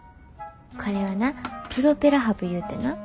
これはなプロペラハブいうてな。